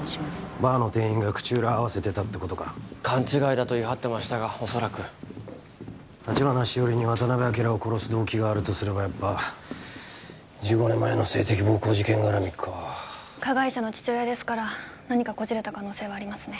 バーの店員が口裏合わせてたってことか勘違いだと言い張ってましたがおそらく橘しおりに渡辺昭を殺す動機があるとすればやっぱ１５年前の性的暴行事件がらみか加害者の父親ですから何かこじれた可能性はありますね